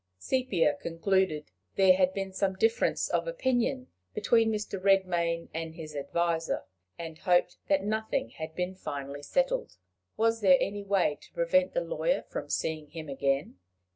Sepia concluded there had been some difference of opinion between Mr. Redmain and his adviser, and hoped that nothing had been finally settled. Was there any way to prevent the lawyer from seeing him again?